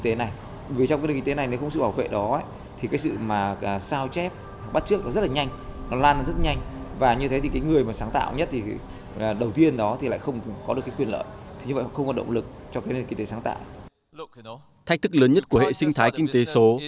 thách thức lớn nhất của hệ sinh thái kinh tế số